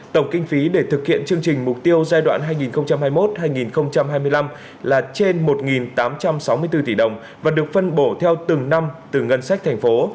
tổng kinh phí để thực hiện chương trình mục tiêu giai đoạn hai nghìn hai mươi một hai nghìn hai mươi năm là trên một tám trăm sáu mươi bốn tỷ đồng và được phân bổ theo từng năm từ ngân sách thành phố